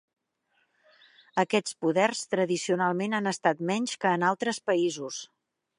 Aquests poders tradicionalment han estat menys que en altres països.